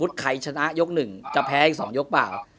เราต้องแพ้อีก๒ยกป่าว